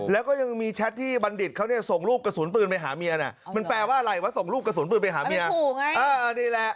และยังมีแชตบัณฑิตส่งรูปหาโปรด